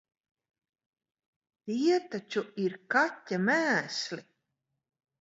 Tie taču ir kaķa mēsli!